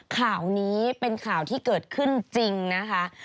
ข่าวนี้เป็นข่าวที่เกิดขึ้นจริงนะคะ